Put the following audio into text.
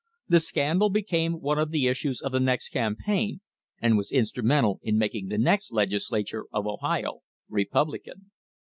The scandal became one of the issues of the next campaign and was instrumental in making the next Legislature of Ohio Republican.